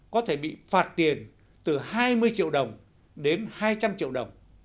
có thể bị phạt tiền từ hai mươi triệu đồng đến hai trăm linh triệu đồng